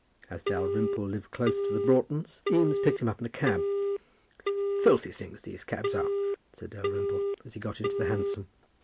As Dalrymple lived close to the Broughtons, Eames picked him up in a cab. "Filthy things, these cabs are," said Dalrymple, as he got into the Hansom.